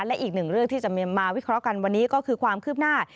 และอีกหนึ่งเรื่องที่จะมาวิเคราะห์กันวันนี้ก็คือความคืบหน้า